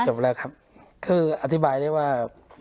จบแล้วครับคืออธิบายได้ว่า